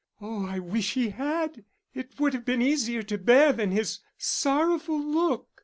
Oh, I wish he had, it would have been easier to bear than his sorrowful look.